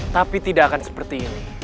tapi tidak akan seperti ini